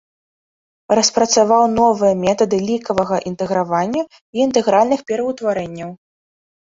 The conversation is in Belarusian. Распрацаваў новыя метады лікавага інтэгравання і інтэгральных пераўтварэнняў.